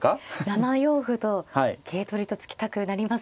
７四歩と桂取りと突きたくなりますね。